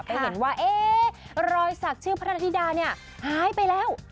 ก็เห็นว่าเอ๊ะรอยสักชื่อพระนาธิดาเนี่ยหายไปแล้ว